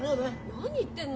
・何言ってんの。